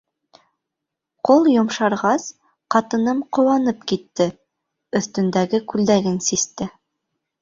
Ҡол йомшарғас, ҡатыным ҡыуанып китте, өҫтөндәге күлдәген систе: